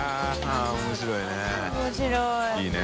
◆舛面白いね。